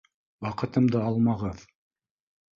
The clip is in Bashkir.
— Ваҡытымды алмағыҙ.